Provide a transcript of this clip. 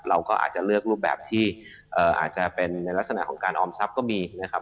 เราก็อาจจะเลือกรูปแบบที่อาจจะเป็นในลักษณะของการออมทรัพย์ก็มีนะครับ